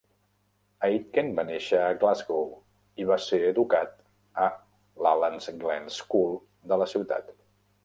Aitken va néixer a Glasgow i va ser educat a l'Allan Glen's School de la ciutat.